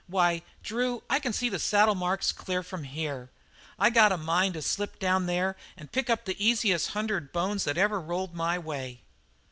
Why, Drew, I can see the saddle marks clear from here; I got a mind to slip down there and pick up the easiest hundred bones that ever rolled my way."